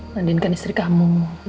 mandinkan istri kamu